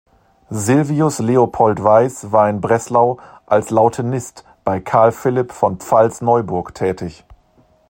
Silvius Leopold Weiss war in Breslau als Lautenist bei Karl Philipp von Pfalz-Neuburg tätig.